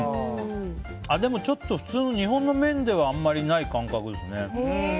でも、ちょっと普通の麺ではあまりない感覚ですね。